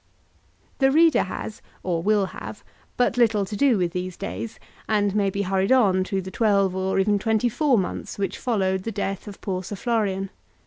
The reader has, or will have, but little to do with these days, and may be hurried on through the twelve, or even twenty four months which followed the death of poor Sir Florian.